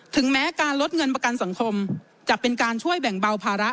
แม้การลดเงินประกันสังคมจะเป็นการช่วยแบ่งเบาภาระ